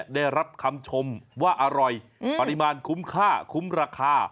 ได้รับคำชมว่าอร่อยปริมาณคุ้มค่าคุ้มราคา